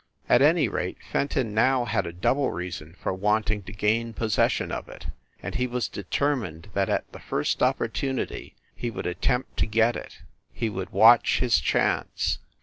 At any rate, Fenton now had a double reason for wanting to gain possession of it, and he was determined that at the first opportunity, he would attempt to get it. He would watch his chance.